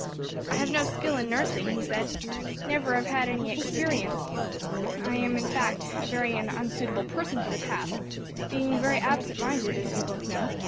"I have no skill in nursing," he said; "never have had any experience; am in fact a very unsuitable person for the task; being very absent minded, as you both know.